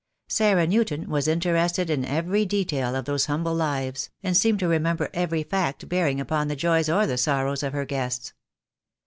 Sarah Newton was interested in every detail of those humble lives, and seemed to remember every fact bearing upon the joys or the sorrows of her guests.